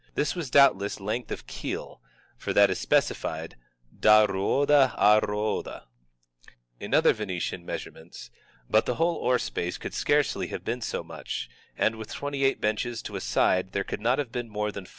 This was doubtless length of keel, for that is specified (" da ruoda a riioda ") in other Venetian measurements, but the whole oar space could scarcely have been so much, and with twenty eight benches to a side there could not have been more than 4 feet * See the woodcuts opposite and at p.